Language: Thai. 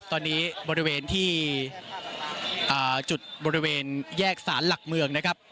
ตอนนี้บริเวณที่จุดบริเวณแยกสารหลักเมืองนะครับ